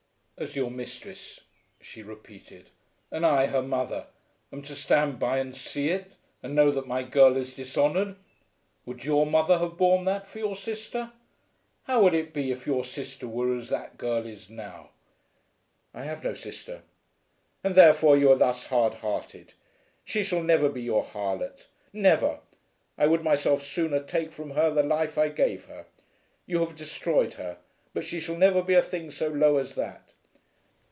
"As your mistress," she repeated, "and I her mother, am to stand by and see it, and know that my girl is dishonoured! Would your mother have borne that for your sister? How would it be if your sister were as that girl is now?" "I have no sister." "And therefore you are thus hard hearted. She shall never be your harlot; never. I would myself sooner take from her the life I gave her. You have destroyed her, but she shall never be a thing so low as that."